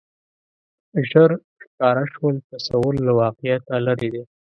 ژر ښکاره شول تصور له واقعیته لرې دی